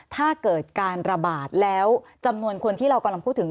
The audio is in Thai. ถ้าเกิดการระบาดแล้วจำนวนคนที่เรากำลังพูดถึง